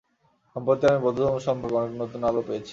সম্প্রতি আমি বৌদ্ধধর্ম সম্বন্ধে অনেক নূতন আলো পেয়েছি।